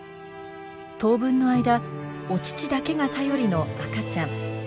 当分の間お乳だけが頼りの赤ちゃん。